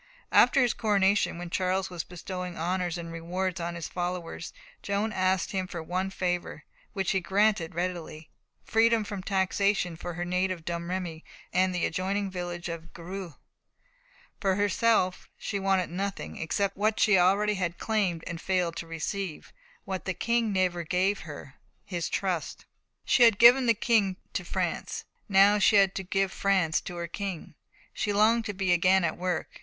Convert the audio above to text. After his coronation, when Charles was bestowing honours and rewards on his followers, Joan asked him for one favour, which he granted readily freedom from taxation for her native Domremy and the adjoining village of Greux. For herself she wanted nothing, except what she had already claimed and failed to receive, what the King never gave her his trust. She had given a king to France, now she had to give France to her King. She longed to be again at work.